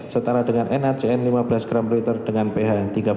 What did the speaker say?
setara dengan nacn lima belas gpl dengan ph tiga belas